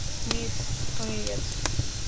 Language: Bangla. মিস হয়ে গেছে।